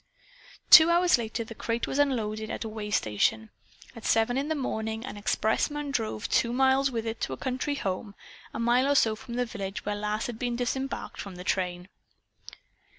Two hours later the crate was unloaded at a waystation. At seven in the morning an expressman drove two miles with it to a country home, a mile or so from the village where Lass had been disembarked from the train.